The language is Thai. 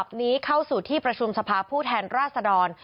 นี้เข้าสู่ที่ประชุมสภาพผู้แทนราชดร